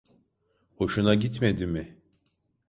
Hoşuna gitmedi mi?